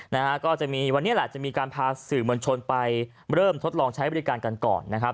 นะฮะก็จะมีวันนี้แหละจะมีการพาสื่อมวลชนไปเริ่มทดลองใช้บริการกันก่อนนะครับ